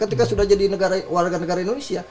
ketika sudah jadi warga negara indonesia